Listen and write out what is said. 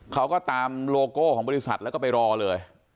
เขาก็ตามโลโก้ของบริษัทแล้วก็ไปรอเลย